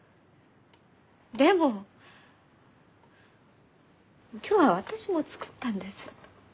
でも今日は私も作ったんです。